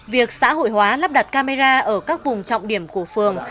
việc xã hội hóa lắp đặt camera ở các vùng trọng điểm của phường